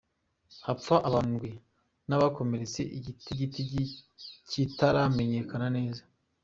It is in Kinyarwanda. Hapfa abantu indwi n'abakomeretse igitigiri kitaramenyekana neza.